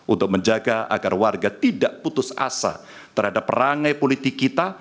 untuk menjaga agar warga tidak putus asa terhadap perangai politik kita